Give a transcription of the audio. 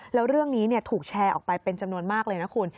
แล้วเรื่องนี้ถูกแชร์ออกไปเป็นจำนวนมากเลยนะคุณ